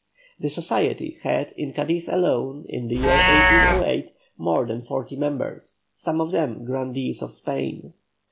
This society had in Cadiz alone in the year 1808 more than forty members, some of them grandees of Spain.